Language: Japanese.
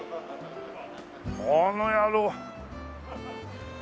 あの野郎。